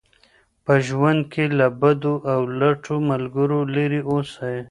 په ژوند کې له بدو او لټو ملګرو لرې اوسئ.